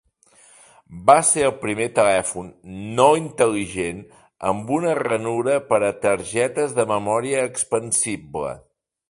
Va ser el primer telèfon no intel·ligent amb una ranura per a targetes de memòria expansible.